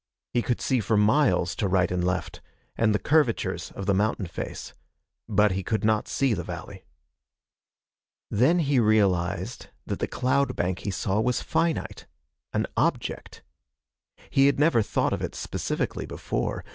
He could see for miles to right and left, and the curvatures of the mountain face. But he could not see the valley. Then he realized that the cloud bank he saw was finite an object. He had never thought of it specifically before.